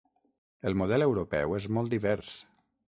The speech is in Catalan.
El model europeu és molt divers.